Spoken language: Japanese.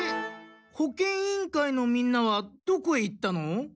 保健委員会のみんなはどこへ行ったの？